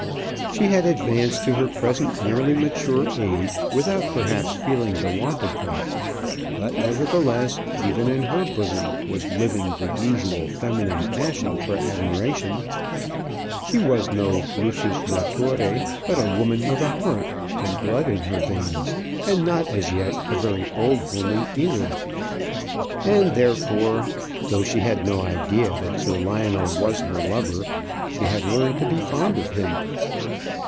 She had advanced to her present nearly mature age without perhaps feeling the want of them. But, nevertheless, even in her bosom was living the usual feminine passion for admiration. She was no "lusus naturæ," but a woman with a heart, and blood in her veins; and not as yet a very old woman either. And therefore, though she had no idea that Sir Lionel was her lover, she had learned to be fond of him.